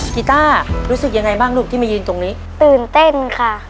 กีต้ารู้สึกยังไงบ้างลูกที่มายืนตรงนี้ตื่นเต้นค่ะ